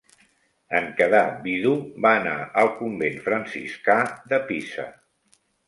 En quedar vidu, va anar al convent franciscà de Pisa.